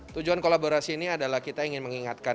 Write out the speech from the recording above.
tujuan kolaborasi ini adalah kita ingin mengingatkan